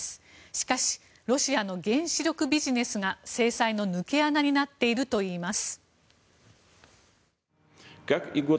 しかしロシアの原子力ビジネスが制裁の抜け穴になっているといいます。